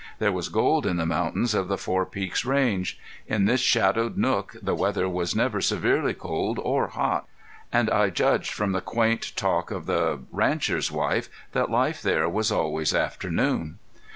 There was gold in the mountains of the Four Peaks Range. In this sheltered nook the weather was never severely cold or hot; and I judged from the quaint talk of the rancher's wife that life there was always afternoon.